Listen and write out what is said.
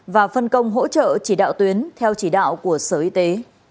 và phân công hỗ trợ chỉ đạo tuyến theo chỉ đạo của sở y tế